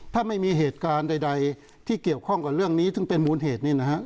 ถ้าไม่มีเหตุการณ์ใดที่เกี่ยวข้องกับเรื่องนี้ซึ่งเป็นมูลเหตุนี้นะฮะ